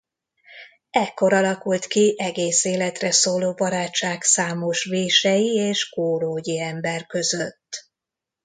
Ekkor alakult ki egész életre szóló barátság számos vései és kórógyi ember között.